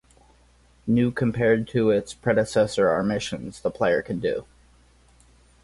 New compared to its predecessor are missions the player can do.